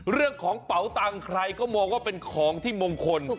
เรื่องของเป่าตังใครก็มองว่าเป็นของที่มงคล